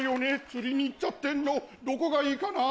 釣りに行っちゃってんのどこがいいかな？